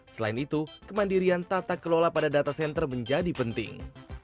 selain itu kemandirian tata kelola pada data center menjadi penting